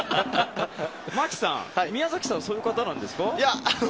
牧さん、宮崎さんはそういう方なんですか？